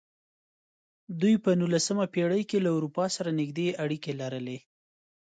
دوی په نولسمه پېړۍ کې له اروپا سره نږدې اړیکې لرلې.